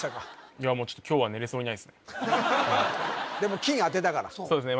いやもうちょっと今日はでも「金」当てたからそうですね